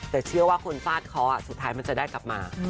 แต่เชื่อว่าคนฟาดเคาะสุดท้ายมันจะได้กลับมา